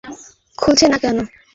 কী ব্যাপার, খুলছে না কেন!